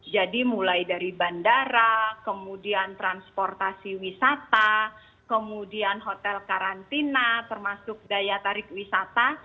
jadi mulai dari bandara kemudian transportasi wisata kemudian hotel karantina termasuk daya tarik wisata